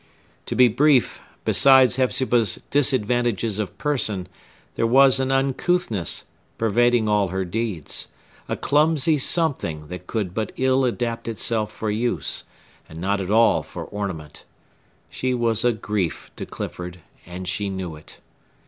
To be brief, besides Hepzibah's disadvantages of person, there was an uncouthness pervading all her deeds; a clumsy something, that could but ill adapt itself for use, and not at all for ornament. She was a grief to Clifford, and she knew it.